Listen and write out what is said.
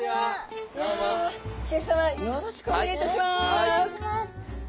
シェフさまよろしくお願いいたします。